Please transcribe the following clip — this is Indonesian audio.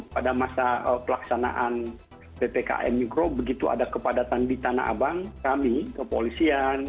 pada masa pelaksanaan ppkm mikro begitu ada kepadatan di tanah abang kami kepolisian